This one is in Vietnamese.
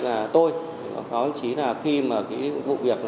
báo cáo anh chí là khi mà vụ việc